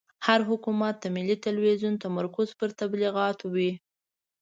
هر حکومت د ملي تلویزون تمرکز پر تبلیغاتو وي.